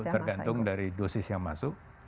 tergantung dari dosis yang masuk